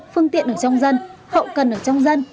phương tiện ở trong dân hậu cần ở trong dân